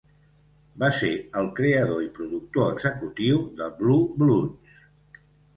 Va ser el creador i productor executiu de "Blue Bloods".